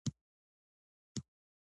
ويل به يې